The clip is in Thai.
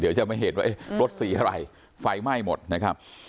เดี๋ยวอันเดทหลายก่อนจะมาเห็นว่ารถสีอะไรไฟไหม้หมดนะครับ